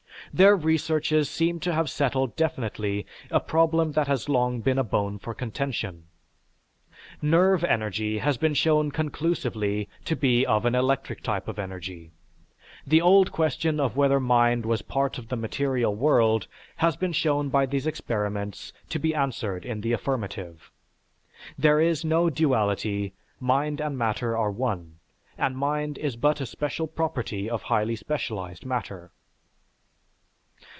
Their researches seem to have settled definitely a problem that has long been a bone for contention. Nerve energy has been shown conclusively to be of an electric type of energy. The old question of whether mind was part of the material world has been shown by these experiments to be answered in the affirmative. There is no duality, mind and matter are one, and mind is but a special property of highly specialized matter.